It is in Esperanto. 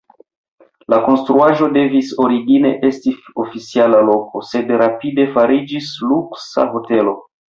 La konstruaĵo devis origine esti oficiala loko, sed rapide fariĝis luksa hotelo.